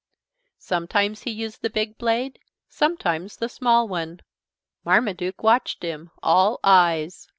Sometimes he used the big blade, sometimes the small one. Marmaduke watched him, all eyes.